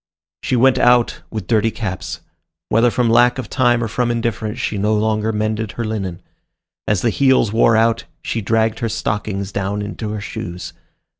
She went out, with dirty caps. Whether from lack of time or from indifference, she no longer mended her linen. As the heels wore out, she dragged her stockings down into her shoes.